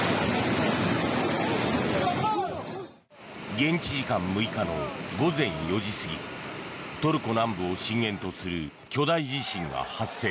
現地時間６日の午前４時過ぎトルコ南部を震源とする巨大地震が発生。